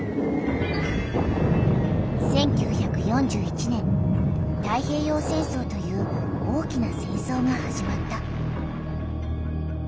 １９４１年太平洋戦争という大きな戦争がはじまった。